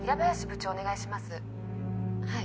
「はい」